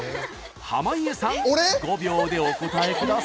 濱家さん、５秒でお答えください。